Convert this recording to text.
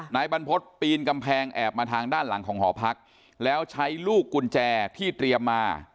นายบรรพฤษปีนกำแพงแอบมาทางด้านหลังของหอพักแล้วใช้ลูกกุญแจที่เตรียมมา